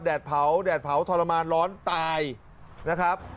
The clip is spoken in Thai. เผาแดดเผาทรมานร้อนตายนะครับ